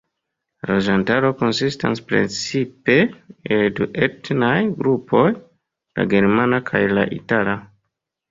La loĝantaro konsistas precipe el du etnaj grupoj, la germana kaj la itala.